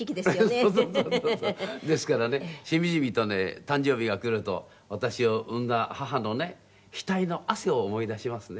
ですからねしみじみとね誕生日が来ると私を産んだ母のね額の汗を思い出しますね。